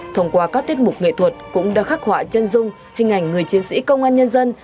thông qua các tiết mục nghệ thuật cũng đã khắc họa chân dung hình ảnh người chiến sĩ công an nhân dân